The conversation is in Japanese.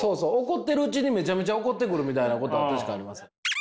怒ってるうちにめちゃめちゃ怒ってくるみたいなことは確かに。